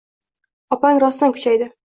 oppang rosatn kuchaydi.